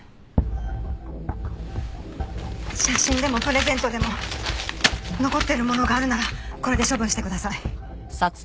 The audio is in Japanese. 写真でもプレゼントでも残っているものがあるならこれで処分してください。